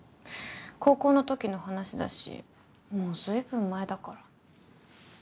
高校の時の話だしもうずいぶん前だから。